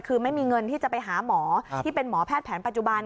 คือไม่มีเงินที่จะไปหาหมอที่เป็นหมอแพทย์แผนปัจจุบัน